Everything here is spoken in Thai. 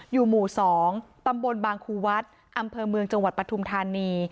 อยู่หมู่๒ตำบลบางครูวัดอำเภอเมืองจังหวัดปฐุมธานี